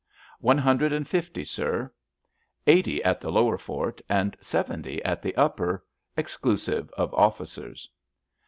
"One hundred and fifty, sir—eighty at the lower fort and seventy at the upper, exclusive of officers."